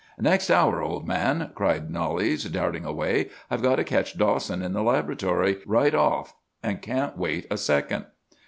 "'Next hour, old man!' cried Knollys, darting away. 'I've got to catch Dawson in the laboratory, right off, and can't wait a second!